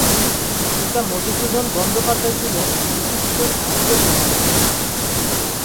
পিতা মধুসূদন বন্দ্যোপাধ্যায় ছিলেন বিশিষ্ট সাহিত্য সমালোচক।